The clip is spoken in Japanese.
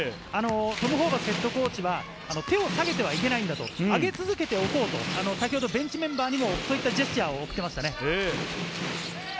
トム・ホーバスＨＣは、手を下げてはいけないんだ、上げ続けておこうと先ほどベンチメンバーにもそういったジェスチャーを送っていました。